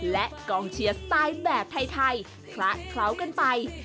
และกองเชียร์สไตล์แบบไทยคละเคล้ากันไป